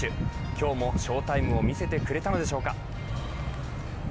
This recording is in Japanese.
今日も翔タイムを見せてくれたのでしょうか。